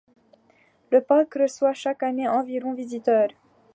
Le parc reçoit chaque année environ visiteurs.